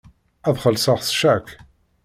Ad xellṣeɣ s ccak.